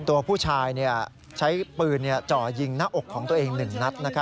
ตัวผู้ชายใช้ปืนจ่อยิงหน้าอกของตัวเอง๑นัด